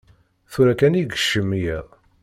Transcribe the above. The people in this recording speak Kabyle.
Tura kan i yekcem yiḍ.